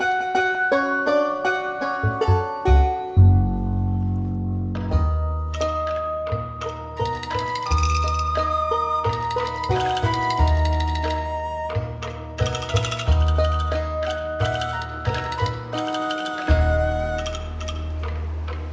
masa ibu semakin sedih